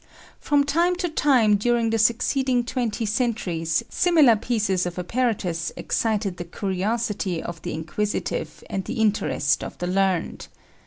From time to time during the succeeding twenty centuries similar pieces of apparatus excited the curiosity of the inquisitive and the interest of the learned.